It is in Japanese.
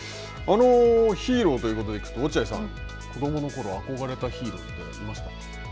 ヒーローということでいくと、落合さん、子どものころ、憧れたヒーローというのはいました？